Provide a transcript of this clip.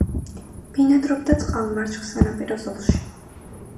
ბინადრობდა წყალმარჩხ სანაპირო ზოლში.